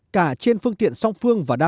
cả trên phương tiện song phương và đa dạng